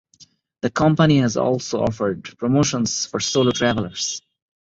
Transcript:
The company has also offered promotions for solo travellers.